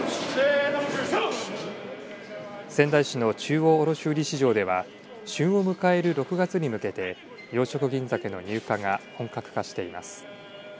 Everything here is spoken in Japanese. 仙台市の中央卸売市場では旬を迎える６月に向けて養殖銀ざけの入荷が本格化しています。